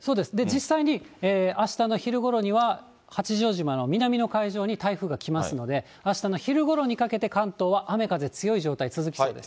実際に、あしたの昼ごろには、八丈島の南の海上に台風が来ますので、あしたの昼ごろにかけて、関東は雨、風強い状態続きそうです。